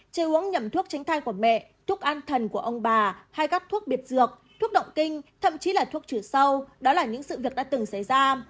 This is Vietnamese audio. trừ uống nhầm thuốc tránh thai của mẹ thuốc an thần của ông bà hay các thuốc biệt dược thuốc động kinh thậm chí là thuốc trừ sâu đó là những sự việc đã từng xảy ra